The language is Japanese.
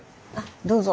どうぞ。